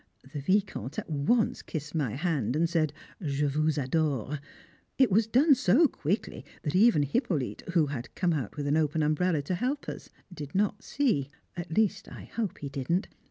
The Vicomte at once kissed my hand and said, "Je vous adore." It was done so quickly that even Hippolyte, who had come out with an open umbrella to help us, did not see at least I hope he didn't.